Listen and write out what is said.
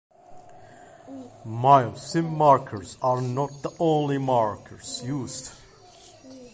Mil-Sim markers are not the only markers used.